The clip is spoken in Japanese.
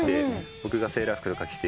僕がセーラー服とか着て。